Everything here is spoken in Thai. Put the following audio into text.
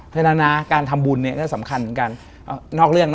เพราะฉะนั้นนะการทำบุญเนี่ยก็สำคัญเหมือนกัน